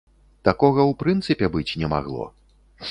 Такога ў прынцыпе быць не магло.